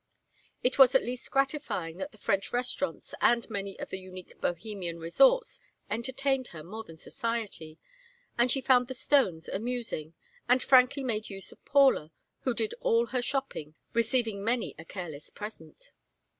It was at least gratifying that the French restaurants and many of the unique Bohemian resorts entertained her more than society; and she found the Stones amusing, and frankly made use of Paula, who did all her shopping, receiving many a careless present.